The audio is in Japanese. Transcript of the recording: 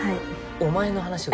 お前の話を。